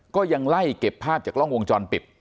ก็ยังไล่เก็บภาพจากกล้องวงจรปิด